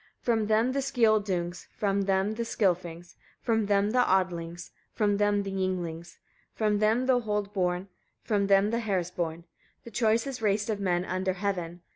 17. From them the Skioldungs, from them the Skilfings, from them the Odlings, from them the Ynglings, from them the hold born, from them the hers born, the choicest race of men under heaven.